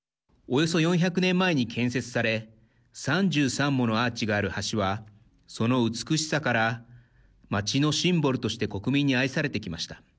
およそ４００年前に建設され３３ものアーチがある橋はその美しさから街のシンボルとして国民に愛されてきました。